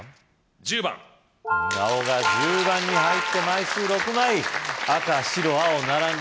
１０番青が１０番に入って枚数６枚赤・白・青並んだ